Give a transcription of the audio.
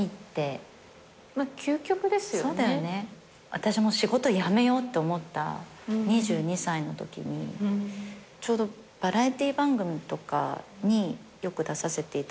私も仕事辞めようって思った２２歳のときにちょうどバラエティー番組とかによく出させていただいていて。